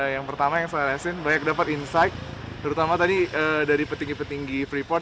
yang pertama yang saya rasain banyak dapat insight terutama tadi dari petinggi petinggi freeport